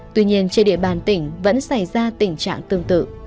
tuy nhiên trên địa bàn tỉnh vẫn xảy ra tình trạng tương tự